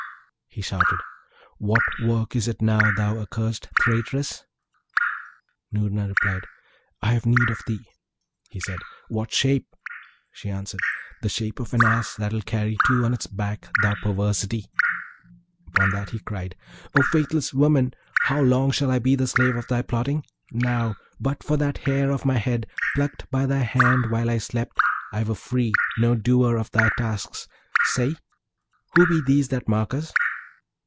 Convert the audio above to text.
He shouted, 'What work is it now, thou accursed traitress?' Noorna replied, 'I've need of thee!' He said, 'What shape?' She answered, 'The shape of an Ass that will carry two on its back, thou Perversity!' Upon that, he cried, 'O faithless woman, how long shall I be the slave of thy plotting? Now, but for that hair of my head, plucked by thy hand while I slept, I were free, no doer of thy tasks. Say, who be these that mark us?'